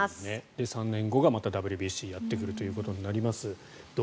で、３年後がまたＷＢＣがやってくるということになります。